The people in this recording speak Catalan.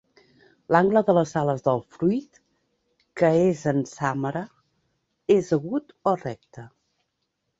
L'angle de les ales del fruit, que és en sàmara, és agut o recte.